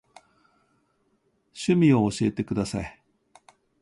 趣味を教えてください。